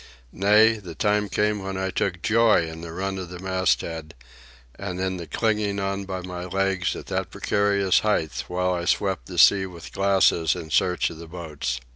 Nay, the time came when I took joy in the run of the masthead and in the clinging on by my legs at that precarious height while I swept the sea with glasses in search of the boats.